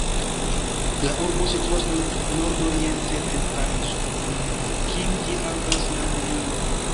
La urbo situas nordoriente de Parizo, kun kiu ĝi havas landlimon.